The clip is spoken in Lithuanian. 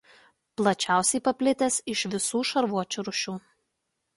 Plačiausiai paplitęs iš visų šarvuočių rūšių.